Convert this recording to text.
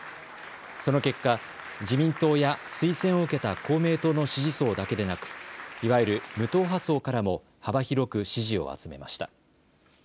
その結果、自民党や推薦を受けた公明党の支持層だけでなくいわゆる無党派層からも幅広く支持を集めました。